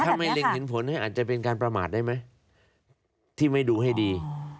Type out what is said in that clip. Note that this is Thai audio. ถ้าไม่เล็งเห็นผลอาจจะเป็นการประมาทได้ไหมที่ไม่ดูให้ดี